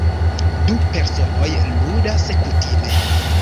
Du personoj ludas kutime.